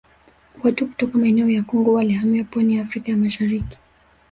Watu kutoka maeneo ya Kongo walihamia pwani ya Afrika ya Mashariki